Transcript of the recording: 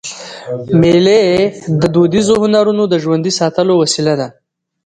مېلې د دودیزو هنرونو د ژوندي ساتلو وسیله ده.